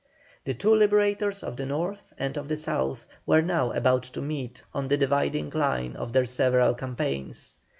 The two Liberators of the North and of the South were now about to meet on the dividing line of their several campaigns.